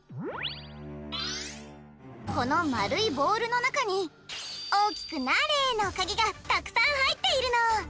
このまるいボールのなかに大きくなれのカギがたくさんはいっているの。